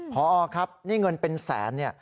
ผอครับนี่เงินเป็นแสน